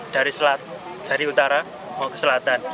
dari selat dari utara mau ke selatan